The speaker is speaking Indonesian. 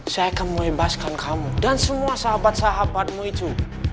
saya akan membebaskan kamu dan semua sahabat sahabatmu itu